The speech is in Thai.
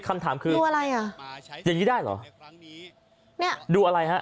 เอ๊ะคำถามคือดูอะไรอ่ะยังยิ่งได้เหรอเนี่ยดูอะไรฮะ